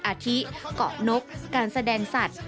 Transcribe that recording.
อาทิเกาะนกการแสดงสัตว์